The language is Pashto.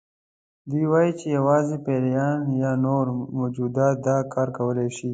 دوی وایي چې یوازې پیریان یا نور موجودات دا کار کولی شي.